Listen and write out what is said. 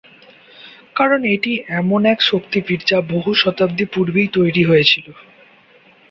কারণ এটি এমন এক শক্তিপীঠ যা বহু শতাব্দী পূর্বে তৈরি হয়েছিল।